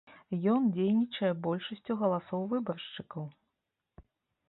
Ён дзейнічае большасцю галасоў выбаршчыкаў.